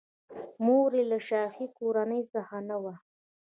مور یې له شاهي کورنۍ څخه نه وه.